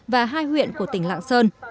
và hai huyện của tỉnh lạng sơn